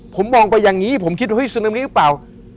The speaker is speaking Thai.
ผมมองไปอย่างนี้ผมคิดว่าเฮ้ยซึนามิหรือเปล่า